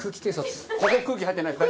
ここ空気入ってないですか？